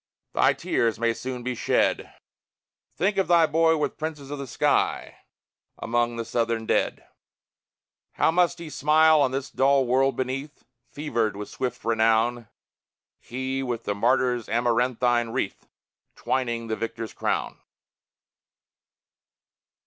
Thy tears may soon be shed; Think of thy boy with princes of the sky Among the Southern dead! How must he smile on this dull world beneath, Fevered with swift renown, He, with the martyr's amaranthine wreath Twining the victor's crown!